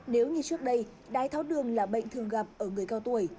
nếu như trước đây đái tháo đường là bệnh thường gặp ở người cao tuổi